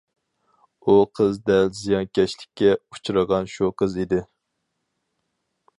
ئۇ قىز دەل زىيانكەشلىككە ئۇچرىغان شۇ قىز ئىدى.